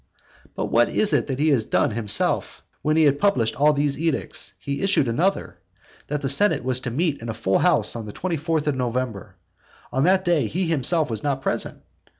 VIII. But what is it that he has done himself? When he had published all these edicts, he issued another, that the senate was to meet in a full house on the twenty fourth of November. On that day he himself was not present.